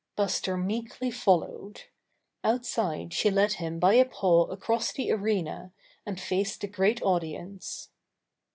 Buster meekly followed. Outside she led him by a paw across the arena, and faced the great audience.